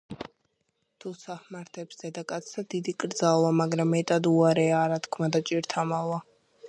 თუცა ჰმართებს დედაკაცსა დიდი კრძალვა, მაგრა მეტად უარეა არა- თქმა და ჭირთა მალვა